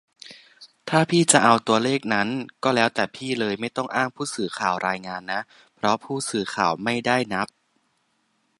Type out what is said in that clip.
"ถ้าพี่จะเอาตัวเลขนั้นก็แล้วแต่พี่เลย ไม่ต้องอ้างผู้สื่อข่าวรายงานนะ เพราะผู้สื่อข่าวไม่ได้นับ""